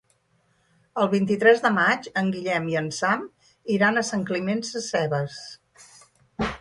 El vint-i-tres de maig en Guillem i en Sam iran a Sant Climent Sescebes.